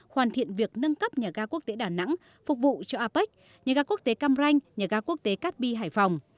hoàn thiện việc nâng cấp nhà ga quốc tế đà nẵng phục vụ cho apec nhà ga quốc tế cam ranh nhà ga quốc tế cát bi hải phòng